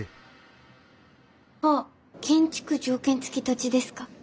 あっ建築条件付き土地ですか。